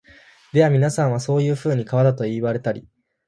ではみなさんは、そういうふうに川だと云いわれたり、